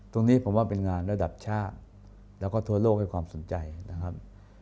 ตรงนี้ผมว่าเป็นงานระดับชาติแล้วก็ทั่วโลกให้ความสนใจนะครับ